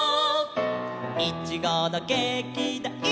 「いちごのケーキだ１」